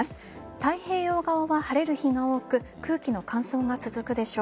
太平洋側は晴れる日が多く空気の乾燥が続くでしょう。